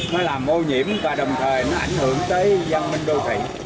mới làm ô nhiễm và đồng thời nó ảnh hưởng tới dân minh đô thị